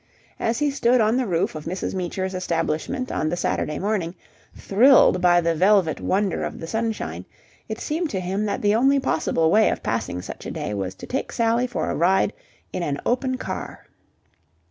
As he stood on the roof of Mrs. Meecher's establishment on the Saturday morning, thrilled by the velvet wonder of the sunshine, it seemed to him that the only possible way of passing such a day was to take Sally for a ride in an open car.